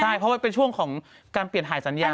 ใช่เพราะว่าเป็นช่วงของการเปลี่ยนหายสัญญา